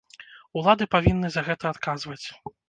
Улады павінны за гэта адказваць.